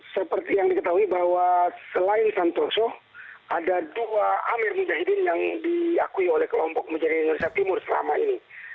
seperti yang diketahui bahwa selain santoso ada dua amir mujahidin yang diakui oleh kelompok mujahidin indonesia timur selama ini